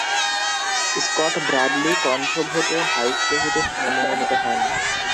Scott Bradley কণ্ঠভোটে vice president মনোনীত হন।